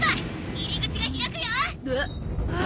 入り口が開くよ！」